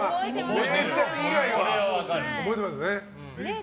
れいちゃん以外は覚えてますね。